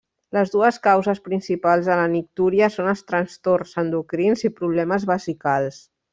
Les dues causes principals de la nictúria són els trastorns endocrins i problemes vesicals.